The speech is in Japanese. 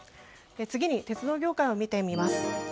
次に鉄道業界を見てみます。